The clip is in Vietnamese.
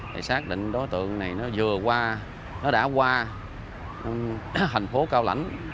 thì xác định đối tượng này nó vừa qua nó đã qua thành phố cao lãnh